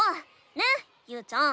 ねゆうちゃん。